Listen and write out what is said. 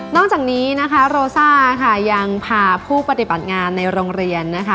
นอกจากนี้โรซ่ายังพาผู้ปฏิบัติงานในโรงเรียน